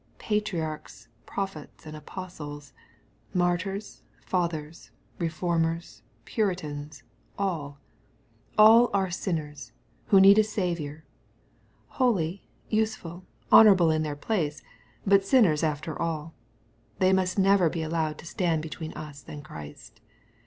Patriarchs, prophets, and apostles — martyrs, fathers, reformers, puritans — all, all are sinners, who need a Saviour — ^holy, useful, honorable in their place — ^but sinners after all. They must never be allowed to stand between us and Christ.